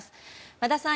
和田さん